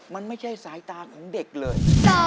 มันไม่ใช่สายตาของเด็กเลย